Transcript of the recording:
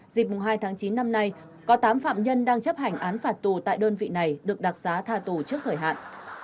dịp hai tháng chín năm nay có tám phạm nhân đang chấp hành án phạt tù tại đơn vị này được đặc giá tha tù trước thời hạn